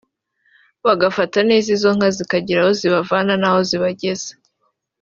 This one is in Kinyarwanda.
bagafata neza izo nka zikagira aho zibavana n’aho zibageza